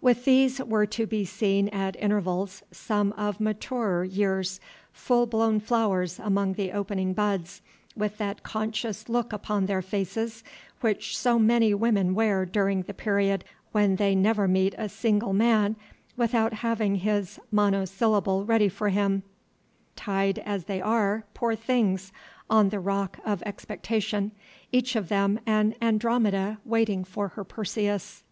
With these were to be seen at intervals some of maturer years, full blown flowers among the opening buds, with that conscious look upon their faces which so many women wear during the period when they never meet a single man without having his monosyllable ready for him, tied as they are, poor things! on the rock of expectation, each of them an Andromeda waiting for her Perseus.